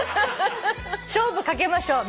勝負かけましょう。